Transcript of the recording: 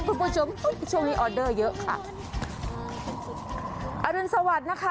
คุณผู้ชมช่วงนี้ออเดอร์เยอะค่ะอรุณสวัสดิ์นะคะ